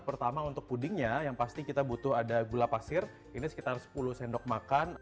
pertama untuk pudingnya yang pasti kita butuh ada gula pasir ini sekitar sepuluh sendok makan